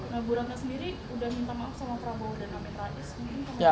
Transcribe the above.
nah burangnya sendiri udah minta maaf sama prabowo dan amin radis